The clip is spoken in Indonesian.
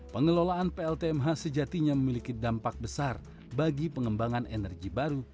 pengelolaan pltmh sejatinya memiliki dampak besar bagi pengembangan energi baru